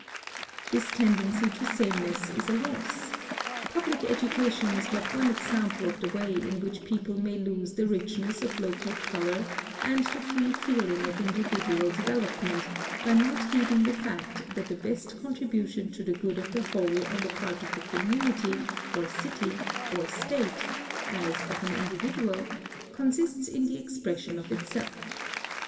This tendency to sameness is a loss. Public education is but one example of the way in which people may lose the richness of local color and the free feeling of individual de velopment by not heeding the fact that the best contribution to the good of the whole on the part of a community, or city, or state, as of an individual, consists in the expression of itself.